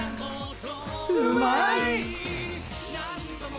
うまい。